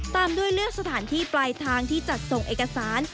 ตามด้วยเลือกสถานที่ปลายทางที่จัดส่งเอกสาร